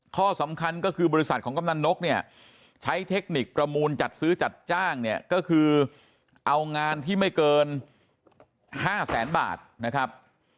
ข้อสำคัญก็คือบริษัทของกำนันนกเนี่ยใช้เทคนิคประมูลจัดซื้อจัดจ้างเนี่ยก็คือเอางานที่ไม่เกิน๕แสนบาทนะครับ